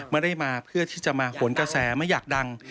ไม่ได้มาเพื่อที่จะมาหนกระแสไม่อยากดัง